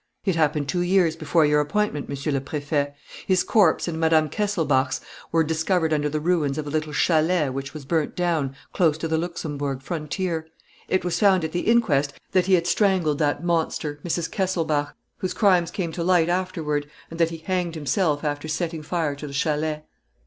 "It happened two years before your appointment, Monsieur le Préfet. His corpse and Mme. Kesselbach's were discovered under the ruins of a little chalet which was burnt down close to the Luxemburg frontier. It was found at the inquest that he had strangled that monster, Mrs. Kesselbach, whose crimes came to light afterward, and that he hanged himself after setting fire to the chalet."